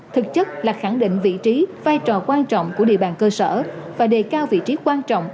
thực chất là khẳng định vị trí vai trò quan trọng của địa bàn cơ sở và đề cao vị trí quan trọng